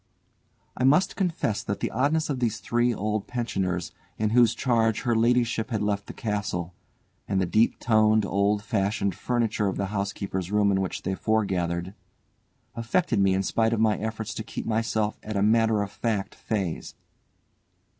I must confess that the oddness of these three old pensioners in whose charge her ladyship had left the castle, and the deep toned, old fashioned furniture of the housekeeper's room in which they foregathered, affected me in spite of my efforts to keep myself at a matter of fact phase.